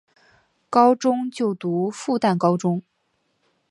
高中就读复旦高中。